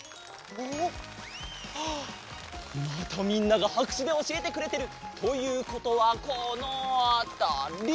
あっまたみんながはくしゅでおしえてくれてる！ということはこのあたり？